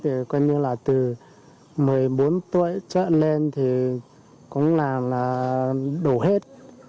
thì coi như là từ một mươi bốn tuổi trở lên thì cũng là đổ hết